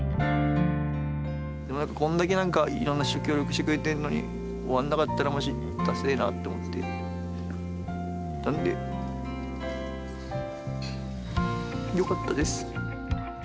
これだけなんか、いろんな人が協力してくれてるのに、終わんなかったらまじだせえなと思ってたんで、よかったです。